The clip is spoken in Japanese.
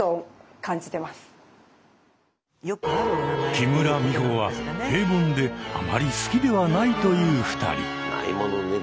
木村美穂は平凡であまり好きではないという２人。